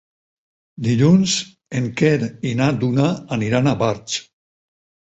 Dilluns en Quer i na Duna aniran a Barx.